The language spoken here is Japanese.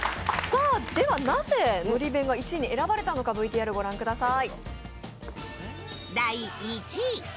ではなぜのり弁が１位に選ばれたのか、御覧ください。